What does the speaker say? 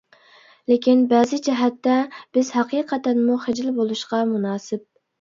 لېكىن، بەزى جەھەتتە، بىز ھەقىقەتەنمۇ خىجىل بولۇشقا مۇناسىپ.